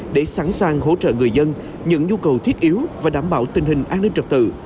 để sẵn sàng hỗ trợ người dân những nhu cầu thiết yếu và đảm bảo tình hình an ninh trật tự